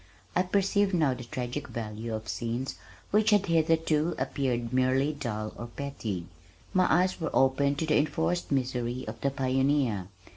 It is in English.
I perceived now the tragic value of scenes which had hitherto appeared merely dull or petty. My eyes were opened to the enforced misery of the pioneer.